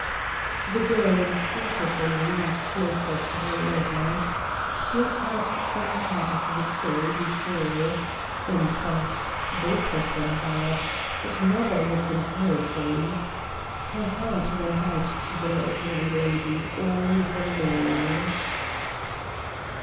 The girl instinctively leaned closer to her lover. She had heard some part of the story before in fact, both of them had, but never in its entirety. Her heart went out to the Little Gray Lady all the more.